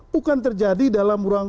bukan terjadi dalam ruang